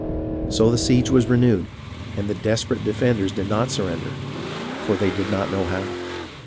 So the siege was renewed, and the desperate defenders did not surrender, for they did not know how.